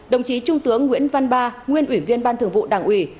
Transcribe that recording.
đồng chí trung tướng nguyễn văn ba nguyên ủy viên ban thường vụ đảng ủy